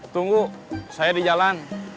tunggu saya di jalan